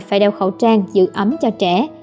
phải đeo khẩu trang giữ ấm cho trẻ